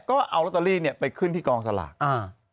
ก็เอาลอตเตอรี่เนี่ยไปขึ้นที่กองสลากอ่า